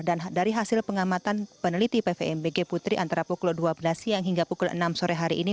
dan dari hasil pengamatan peneliti pvmbg putri antara pukul dua belas siang hingga pukul enam sore hari ini